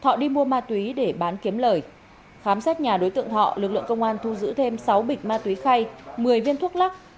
họ đi mua ma túy để bán kiếm lời khám xét nhà đối tượng họ lực lượng công an thu giữ thêm sáu bịch ma túy khay một mươi viên thuốc lắc